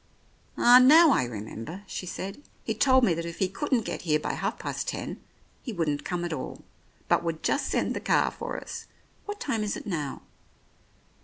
"Ah, now I remember," she said. "He told me that if he couldn't get here by half past ten, he wouldn't come at all, but would just send the car for us. What time is it now